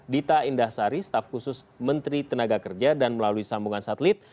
dita indah sari staf khusus menteri tenaga kerja dan melalui sambungan satelit